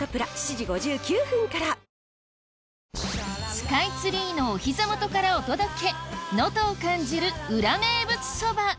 スカイツリーのお膝元からお届け